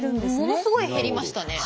ものすごい減りましたね。